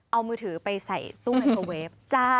เอามือถือไปใส่ตู้ไฮโซเวฟ